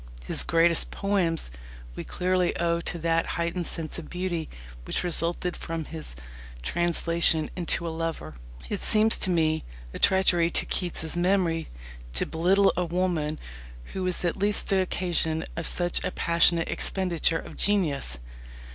His greatest poems we clearly owe to that heightened sense of beauty which resulted from his translation into a lover. It seems to me a treachery to Keats's memory to belittle a woman who was at least the occasion of such a passionate expenditure of genius.